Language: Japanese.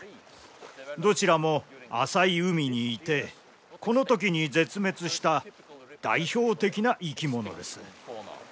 どちらも浅い海にいてこのときに絶滅した代表的な生き物です。